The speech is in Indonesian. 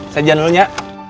saya jalan dulu ya